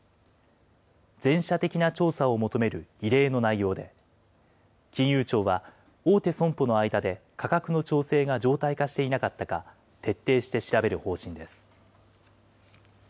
全社的な調査を求める異例の内容で、金融庁は、大手損保の間で価格の調整が常態化していなかったか、徹底して調べる方針です。